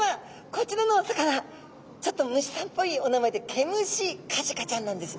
こちらのお魚ちょっと虫さんっぽいお名前でケムシカジカちゃんなんです。